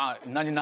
何？